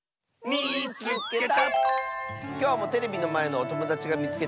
「みいつけた！」。